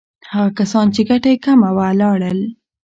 هغه کسان چې ګټه یې کمه وه، لاړل.